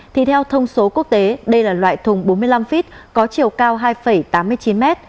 thì theo thông số quốc tế đây là loại thùng bốn mươi năm feet có chiều cao hai tám mươi chín m